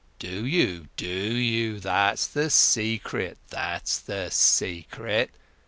"Do you, do you? That's the secret—that's the secret!